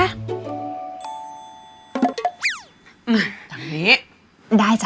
อืมอย่างนี้ได้จ้ะ